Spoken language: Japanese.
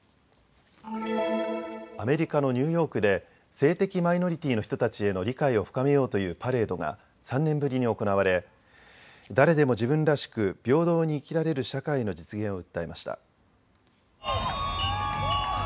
アメリカのニューヨークで性的マイノリティーの人たちへの理解を深めようというパレードが３年ぶりに行われ誰でも自分らしく平等に生きられる社会の実現を訴えました。